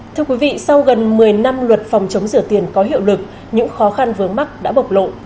thưa quý vị sau gần một mươi năm luật phòng chống rửa tiền có hiệu lực những khó khăn vướng mắt đã bộc lộ